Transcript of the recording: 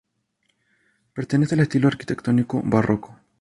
Pertenece al estilo arquitectónico barroco.